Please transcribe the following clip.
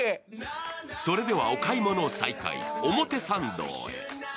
それではお買い物再開、表参道へ。